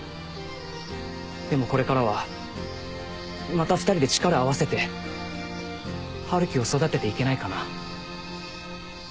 でもこれからはまた２人で力を合わせて春樹を育てていけないかな？